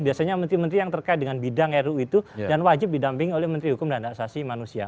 biasanya menteri menteri yang terkait dengan bidang ru itu dan wajib didampingi oleh menteri hukum dan asasi manusia